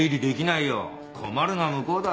困るのは向こうだ。